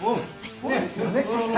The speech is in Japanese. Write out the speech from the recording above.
そうですよね。